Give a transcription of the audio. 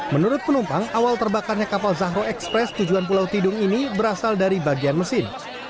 menurut penumpang awal terbakarnya kapal zahro express tujuan pulau tidung ini berasal dari bagian mesin